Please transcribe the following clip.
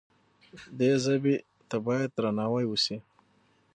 دې ژبې ته باید درناوی وشي.